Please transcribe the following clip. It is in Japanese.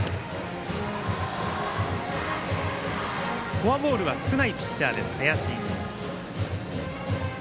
フォアボールは少ないピッチャーです、林。